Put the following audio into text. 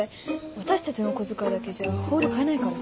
私たちの小遣いだけじゃホール買えないから。